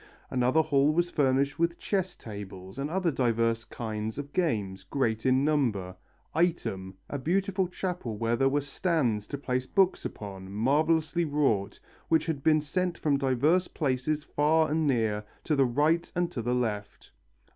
Another hall was furnished with chess tables and other diverse kinds of games, great in number. Item, a beautiful chapel where there were stands to place books upon, marvellously wrought, which had been sent from diverse places far and near, to the right and to the left.